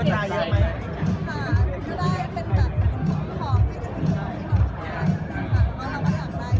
เดี๋ยวเราก็ได้มีเห็นพวกเจ้าใส่มันจากไทย